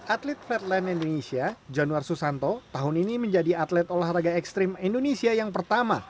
atlet fedeline indonesia januar susanto tahun ini menjadi atlet olahraga ekstrim indonesia yang pertama